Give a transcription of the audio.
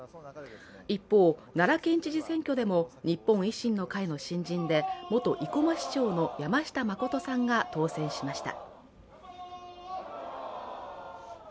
一方、奈良県知事選挙でも、日本維新の会の新人で元生駒市長の山下真さんが当選しました。